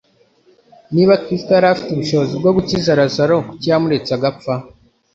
Niba Kristo yari afite ubushobozi bwo gukiza Lazaro kuki yamuretse agapfa?